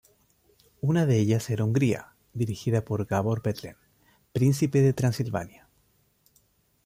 Una de ellas era Hungría, dirigida por Gábor Bethlen, Príncipe de Transilvania.